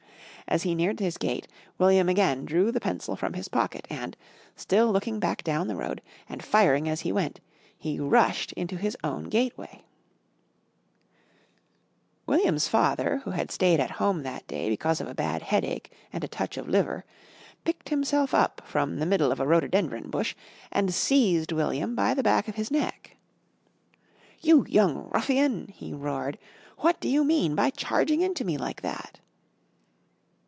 As he neared his gate, William again drew the pencil from his pocket and, still looking back down the road, and firing as he went, he rushed into his own gateway. [Illustration: LOOKING BACK DOWN THE ROAD AND FIRING HIS PENCIL WILDLY, WILLIAM DASHED INTO HIS OWN GATE.] William's father, who had stayed at home that day because of a bad headache and a touch of liver, picked himself up from the middle of a rhododendron bush and seized William by the back of his neck. "You young ruffian," he roared, "what do you mean by charging into me like that?"